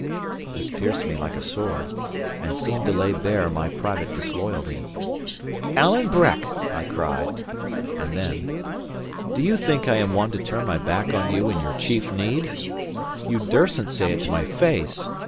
This pierced me like a sword, and seemed to lay bare my private disloyalty. "Alan Breck!" I cried; and then: "Do you think I am one to turn my back on you in your chief need? You dursn't say it to my face.